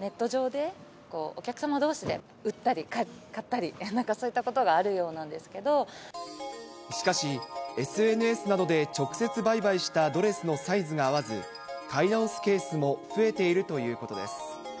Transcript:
ネット上で、お客様どうしで売ったり買ったり、なんかそういったことがあるようしかし、ＳＮＳなどで直接売買したドレスのサイズが合わず、買い直すケースも増えているということです。